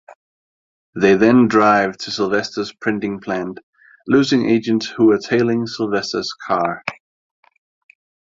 They then drive to Sylvester's printing plant, losing agents who are tailing Sylvester's car.